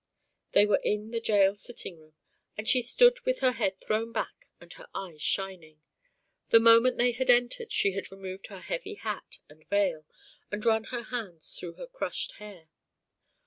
They were in the jail sitting room, and she stood with her head thrown back and her eyes shining. The moment they had entered she had removed her heavy hat and veil and run her hands through her crushed hair.